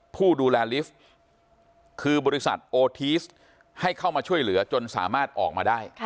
ผู้ดูแลลิฟต์คือบริษัทโอทีสให้เข้ามาช่วยเหลือจนสามารถออกมาได้